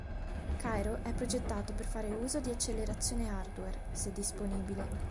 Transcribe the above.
Cairo è progettato per fare uso di accelerazione hardware, se disponibile.